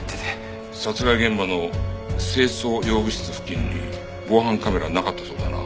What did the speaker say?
殺害現場の清掃用具室付近に防犯カメラはなかったそうだな。